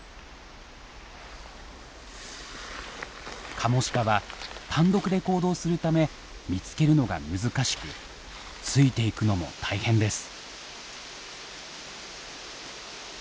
カモシカは単独で行動するため見つけるのが難しくついていくのも大変です。